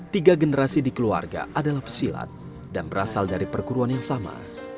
tiga generasi di keluarga adalah pesilat dan berasal dari perguruan yang sama